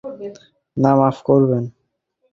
না, মাফ করবেন।